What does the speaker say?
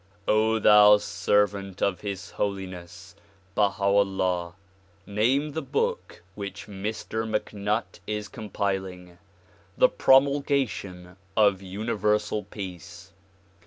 O thou servant of His Holiness Baiia'Ullah! Name the book which Mr. MacNutt is compiling "The Promulgation of Universal Peace."